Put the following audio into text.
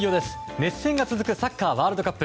熱戦が続くサッカーワールドカップ。